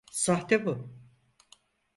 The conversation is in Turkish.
Sahte bu.